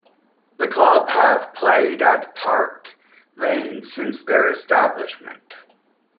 The club have played at Park Lane since their establishment.